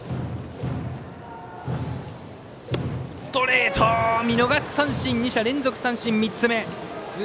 ストレート、見逃し三振２者連続三振、３つ目。